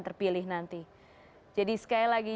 terpilih nanti jadi sekali lagi